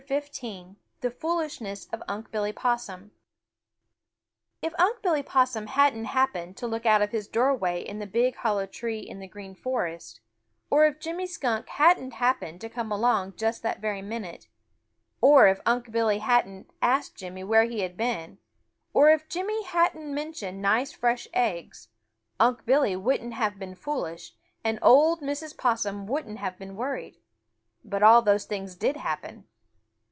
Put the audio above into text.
XV THE FOOLISHNESS OF UNC' BILLY POSSUM If Unc' Billy Possum hadn't happened to look out of his doorway in the big hollow tree in the Green Forest, or if Jimmy Skunk hadn't happened to come along just that very minute, or if Unc' Billy hadn't asked Jimmy where he had been, or if Jimmy hadn't mentioned nice fresh eggs, Unc' Billy wouldn't have been foolish, and old Mrs. Possum wouldn't have been worried. But all those things did happen.